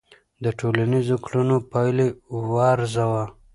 د ټولنیزو کړنو پایلې وارزوه.